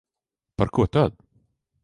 Par ko tad?